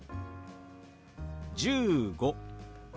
「１５」。